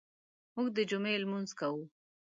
موږ د جمعې لمونځ کوو.